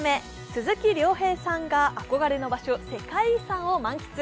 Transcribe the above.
鈴木亮平さんが憧れの場所、世界遺産を満喫。